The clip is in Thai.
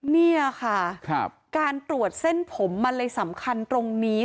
นี่ค่ะการตรวจเส้นผมมันเลยสำคัญตรงนี้